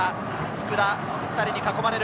２人に囲まれる。